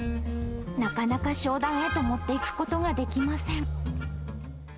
なかなか商談へと持っていくことができません。